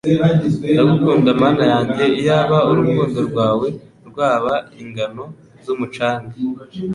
Ndagukunda Mana yanjye iyaba urukundo rwawe rwaba ingano z'umucanga,